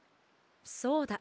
そうだ。